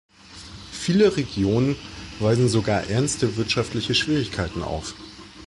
Viele Regionen weisen sogar ernste wirtschaftliche Schwierigkeiten auf.